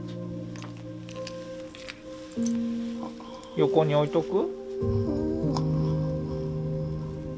横に置いとく？